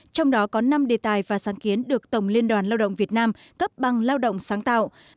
trong đó có năm đề tài và sáng kiến được tổng liên đoàn lao động việt nam cấp bằng lao động sáng tạo